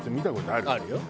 あるよ。